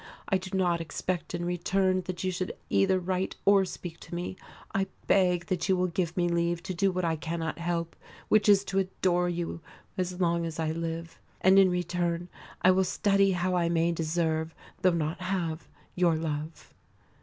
I do not expect in return that you should either write or speak to me. I beg that you will give me leave to do what I cannot help, which is to adore you as long as I live; and in return I will study how I may deserve, though not have, your love."